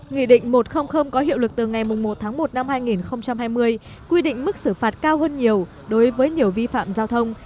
nghị định một trăm linh có hiệu lực từ ngày một tháng một năm hai nghìn hai mươi quy định mức xử phạt cao hơn nhiều đối với nhiều vi phạm giao thông